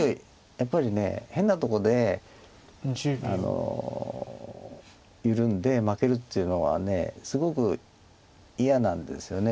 やっぱり変なとこで緩んで負けるっていうのはすごく嫌なんですよね。